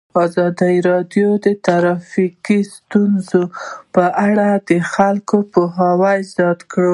ازادي راډیو د ټرافیکي ستونزې په اړه د خلکو پوهاوی زیات کړی.